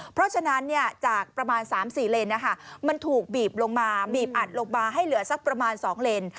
เพราะฉะนั้นจากประมาณ๓๔เลนมันถูกบีบลงมาบีบอัดลงมาให้เหลือสักประมาณ๒เลน